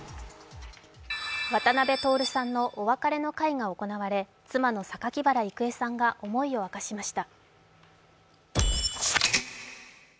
渡辺徹さんのお別れの会が行われ、妻の榊原郁恵さんが思いを明かしました。